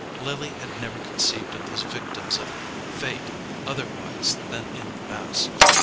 Lily had never conceived of these victims of fate otherwise than in the mass.